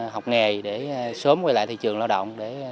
học nghề để sớm quay lại thị trường lao động